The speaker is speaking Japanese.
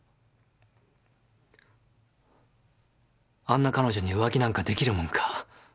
あんな彼女に浮気なんかできるもんか。